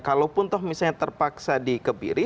kalaupun misalnya terpaksa dikebiri